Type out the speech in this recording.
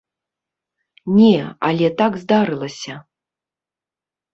Не, але так здарылася.